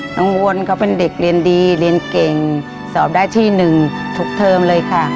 วนเขาเป็นเด็กเรียนดีเรียนเก่งสอบได้ที่หนึ่งทุกเทอมเลยค่ะ